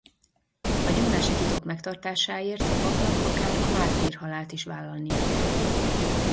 A gyónási titok megtartásáért a papnak akár a mártírhalált is vállalnia kell.